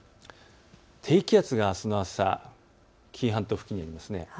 低気圧があすの朝、紀伊半島付近にあります。